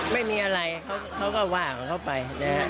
ไม่มีอะไรเขาก็ว่าเขาไป